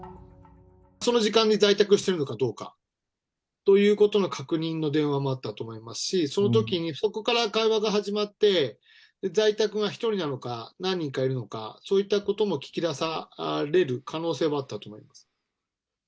その時間に在宅しているのかどうかということの確認の電話もあったと思いますし、そのときに、そこから会話が始まって、在宅が１人なのか、何人かいるのか、そういったことも聞きだされる可能性もあったと思います。